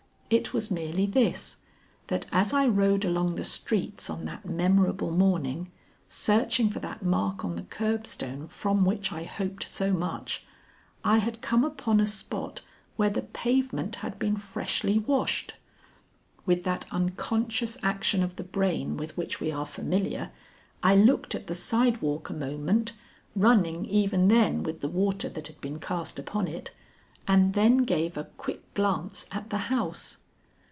It was merely this; that as I rode along the streets on that memorable morning, searching for that mark on the curbstone from which I hoped so much, I had come upon a spot where the pavement had been freshly washed. With that unconscious action of the brain with which we are familiar, I looked at the sidewalk a moment, running even then with the water that had been cast upon it, and then gave a quick glance at the house.